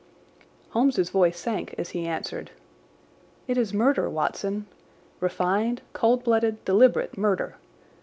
Holmes's voice sank as he answered: "It is murder, Watson—refined, cold blooded, deliberate murder.